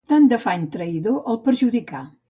Tant d'afany traïdor el perjudicà.